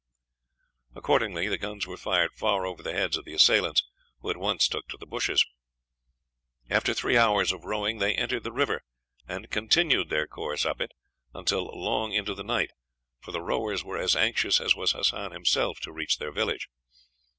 Accordingly the guns were fired far over the heads of the assailants, who at once took to the bushes. After three hours' rowing they entered the river, and continued their course up it until long into the night, for the rowers were as anxious as was Hassan himself to reach their village.